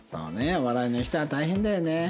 お笑いの人は大変だよね。